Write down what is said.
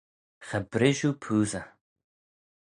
Cha brish oo poosey.